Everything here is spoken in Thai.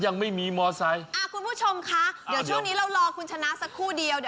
อยากได้มอไซด์นี่